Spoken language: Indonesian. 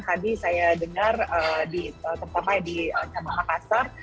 tadi saya dengar di kampung makassar